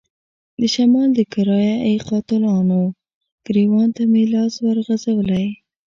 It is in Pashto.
د شمال د کرايه ای قاتلانو ګرېوان ته مې لاس ورغځولی.